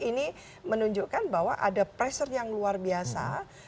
jadi ini menunjukkan bahwa ada pressure yang luar biasa